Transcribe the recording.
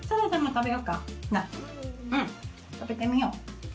うん食べてみよう。